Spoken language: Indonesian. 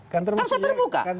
kan saya terbuka